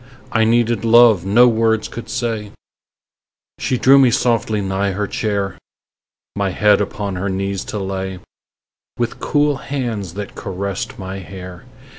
I needed love no words could say; She drew me softly nigh her chair, My head upon her knees to lay, With cool hands that caressed my hair.